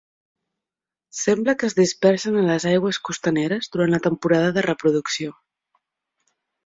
Sembla que es dispersen a les aigües costaneres durant la temporada de reproducció.